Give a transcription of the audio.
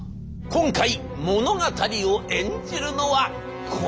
今回物語を演じるのはこちら。